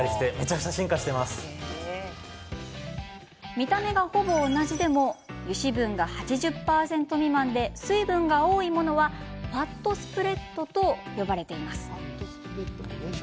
見た目がほぼ同じでも油脂分が８０％未満で水分が多いものはファットスプレッドと呼ばれています。